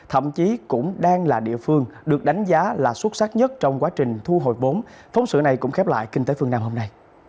hãy đăng ký kênh để ủng hộ kênh của mình nhé